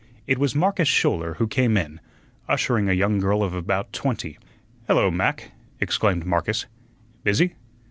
It was Marcus Schouler who came in, ushering a young girl of about twenty. "Hello, Mac," exclaimed Marcus; "busy?